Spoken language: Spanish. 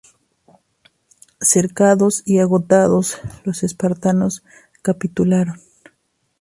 Cercados y agotados, los espartanos capitularon.